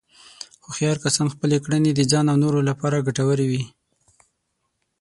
هوښیار کسان خپلې کړنې د ځان او نورو لپاره ګټورې وي.